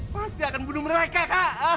pasti akan bunuh mereka kak